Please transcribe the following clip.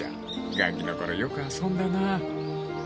［がきの頃よく遊んだなぁ］